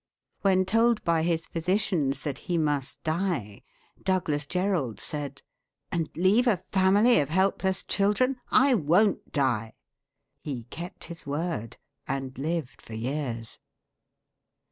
When told by his physicians that he must die, Douglas Jerrold said: "And leave a family of helpless children? I won't die." He kept his word, and lived for years.